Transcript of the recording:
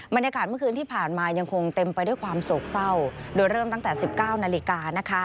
บรรยากาศเมื่อคืนที่ผ่านมายังคงเต็มไปด้วยความโศกเศร้าโดยเริ่มตั้งแต่๑๙นาฬิกานะคะ